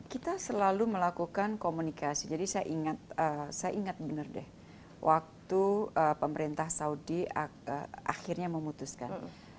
kita selalu melakukan komunikasi jadi saya ingat saya ingat bener deh waktu pemerintah saudi akhirnya memutuskan